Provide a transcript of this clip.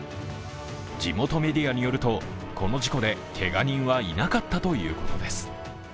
地元メディアによると、この事故でけが人はいなかったということです。